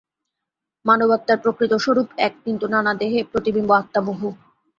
মানবাত্মার প্রকৃত স্বরূপ এক, কিন্তু নানা দেহে প্রতিবিম্ব-আত্মা বহু।